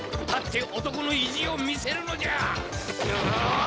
立って男の意地を見せるのじゃあー！